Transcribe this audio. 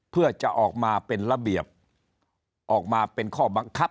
เพื่อจะออกมาเป็นระเบียบออกมาเป็นข้อบังคับ